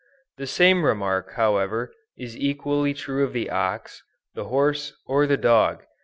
The same remark however, is equally true of the ox, the horse or the dog.